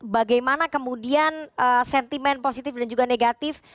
bagaimana kemudian sentimen positif dan juga negatif